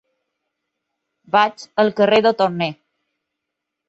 Vaig al carrer de Torné.